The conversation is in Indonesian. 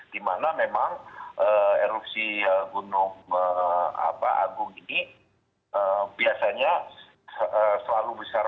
dimana memang erupsi gunung agung ini biasanya selalu besar